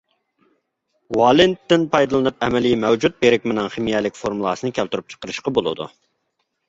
ۋالېنتتىن پايدىلىنىپ ئەمەلىي مەۋجۇت بىرىكمىنىڭ خىمىيەلىك فورمۇلىسىنى كەلتۈرۈپ چىقىرىشقا بولىدۇ.